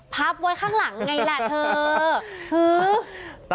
พับไว้ข้างหลังไงแหละเธอ